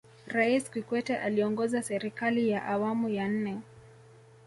rais kikwete aliongoza serikali ya awamu ya nne